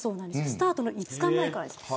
スタートの５日前からですよ。